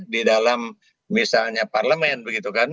di dalam misalnya parlemen begitu kan